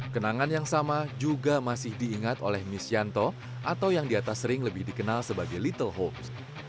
kenangan yang sama juga masih diingat oleh misyanto atau yang di atas ring lebih dikenal sebagai little hopes